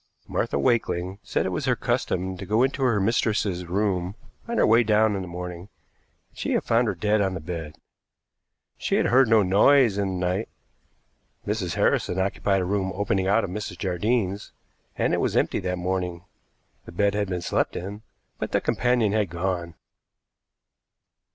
Martha Wakeling said it was her custom to go into her mistress's room on her way down in the morning, and she had found her dead on the bed. She had heard no noise in the night. Mrs. Harrison occupied a room opening out of Mrs. Jardine's, and it was empty that morning. The bed had been slept in, but the companion had gone.